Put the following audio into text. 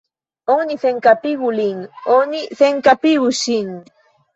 Oni senkapigu lin, oni senkapigu ŝin!